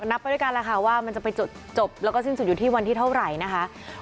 นับไปด้วยกันแล้วค่ะว่ามันจะไปจบแล้วก็สิ้นสุดอยู่ที่วันที่เท่าไหร่นะคะ